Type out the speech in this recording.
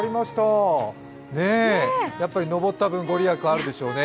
やっぱり登った分御利益あるでしょうね。